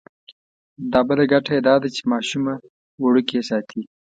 دا بله ګټه یې دا ده چې ماشومه وړوکې ساتي.